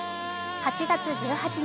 ８月１８日